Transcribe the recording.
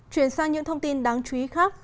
chuyển sang những thông tin đáng chú ý khác